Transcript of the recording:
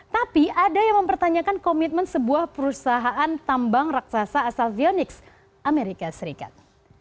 tapi ada yang mempertanyakan komitmen sebuah perusahaan tambang raksasa asal vionix amerika serikat